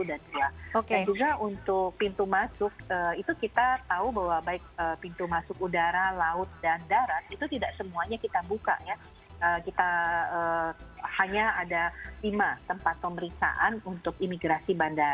dan juga untuk pintu masuk itu kita tahu bahwa